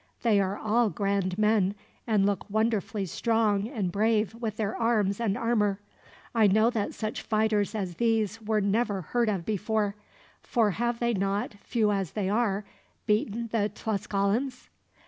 They are all grand men, and look wonderfully strong and brave with their arms and armor. I know that such fighters as these were never heard of before; for have they not, few as they are, beaten the Tlascalans?